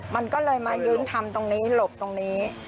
มันก็เลยมายืนทำตรงนี้หลบตรงนี้